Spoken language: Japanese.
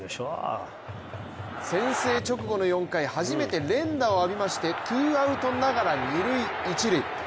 先制直後の４回、初めて連打を浴びましてツーアウトながら二・一塁。